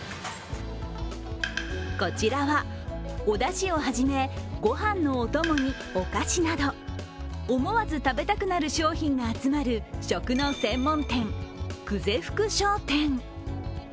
こちらは、おだしをはじめ、ご飯のおともにお菓子など、思わず食べたくなる商品が集まる食の専門店、久世福商店。